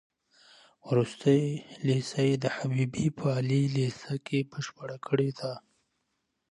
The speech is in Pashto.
وروستۍ ليسه يې د حبيبيې په عالي ليسه کې بشپړه کړې ده.